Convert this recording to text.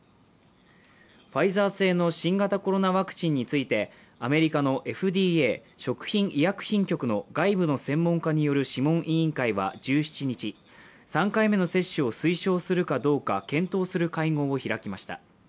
ファイザー製の新型コロナワクチンについて、アメリカのＦＤＡ＝食品医薬品局の外部の専門家による諮問委員会は１７日３回目の接種を推奨するかどうか検討する会合を開きました。